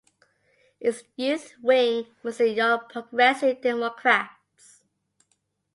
Its youth wing was the Young Progressive Democrats.